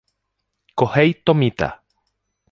Kohei Tomita